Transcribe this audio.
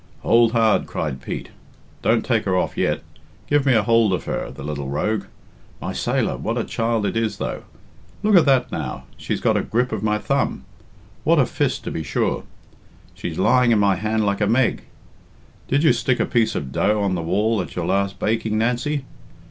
"Hould hard," cried Pete; "don't take her off yet. Give me a hould of her, the lil rogue. My sailor! What a child it is, though! Look at that, now. She's got a grip of my thumb. What a fist, to be sure! It's lying in my hand like a meg. Did you stick a piece of dough on the wall at your last baking, Nancy?